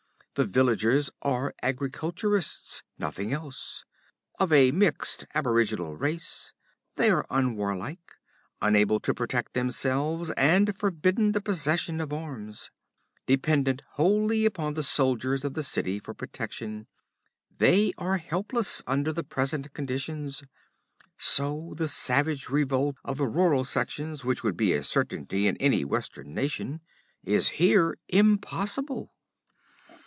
The villagers are agriculturists, nothing else. Of a mixed, aboriginal race, they are unwarlike, unable to protect themselves, and forbidden the possession of arms. Dependent wholly upon the soldiers of the city for protection, they are helpless under the present conditions. So the savage revolt of the rural sections, which would be a certainty in any Western nation, is here impossible.